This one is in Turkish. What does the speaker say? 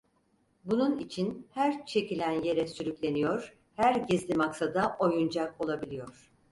Bunun için her çekilen yere sürükleniyor, her gizli maksada oyuncak olabiliyor.